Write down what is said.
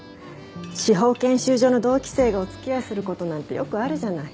司法研修所の同期生がお付き合いする事なんてよくあるじゃない。